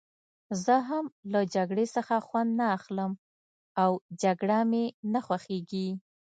زه هم له جګړې څخه خوند نه اخلم او جګړه مې نه خوښېږي.